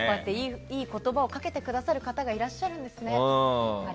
いい言葉をかけてくださる方がいらっしゃるんですね。